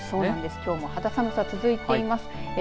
きょうも肌寒さ、続いています。